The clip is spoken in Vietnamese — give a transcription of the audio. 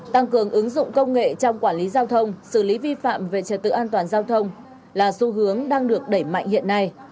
tăng cường ứng dụng công nghệ trong quản lý giao thông xử lý vi phạm về trật tự an toàn giao thông là xu hướng đang được đẩy mạnh hiện nay